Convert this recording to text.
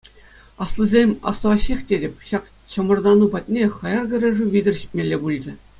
Аслисем астӑваҫҫех тетӗп: ҫак чӑмӑртану патне хаяр кӗрешӳ витӗр ҫитмелле пулчӗ.